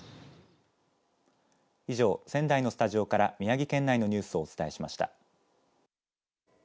以上、仙台のスタジオから宮城県内のニュースをお伝えしました。